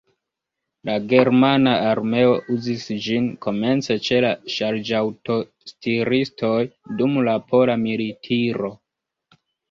La germana armeo uzis ĝin komence ĉe la ŝarĝaŭto-stiristoj dum la pola militiro.